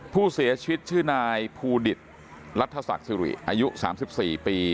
ผู้เสียชีวิตชื่อนายภูดิตรัฐศักดิ์สิริอายุ๓๔ปี